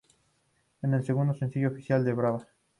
Es el segundo sencillo oficial de "Brava!